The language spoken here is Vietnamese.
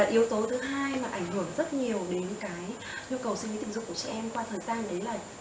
yếu tố thứ hai mà ảnh hưởng rất nhiều đến cái yêu cầu suy nghĩ tình dục của chị em qua thời gian đấy là